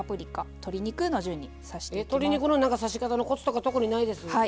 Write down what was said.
鶏肉の刺し方のコツとか特にないです？